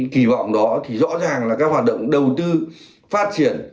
kỳ vọng đó thì rõ ràng là các hoạt động đầu tư phát triển